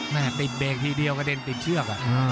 เนี่ยติบเบรคทีเดียวก็เด็นติบเชือก